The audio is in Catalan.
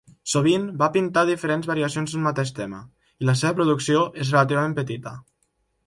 Sovint va pintar diferents variacions d'un mateix tema, i la seua producció és relativament petita.